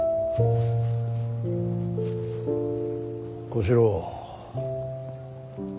小四郎。